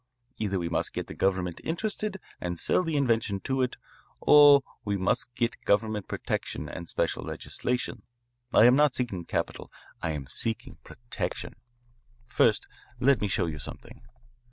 Either we must get the government interested and sell the invention to it, or we must get government protection and special legislation. I am not seeking capital; I am seeking protection. First let me show you something."